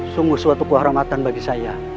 sungguh suatu kehormatan bagi saya